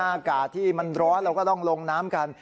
อากาศที่มันร้อนเราก็ต้องลงน้ำกัน